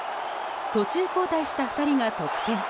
途中交代した２人が得点。